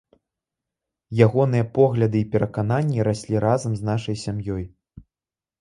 Ягоныя погляды і перакананні раслі разам з нашай сям'ёй.